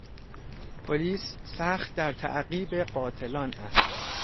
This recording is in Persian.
پلیس سخت در تعقیب قاتلان است.